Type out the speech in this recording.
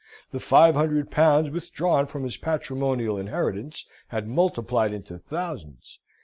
The five hundred pounds withdrawn from his patrimonial inheritance had multiplied into thousands.